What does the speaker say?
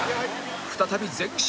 再び前進！